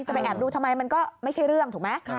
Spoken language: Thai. ไปแอบดูทำไมมันก็ไม่ใช่เรื่องถูกไหม